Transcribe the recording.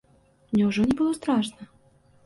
Няўжо не было страшна?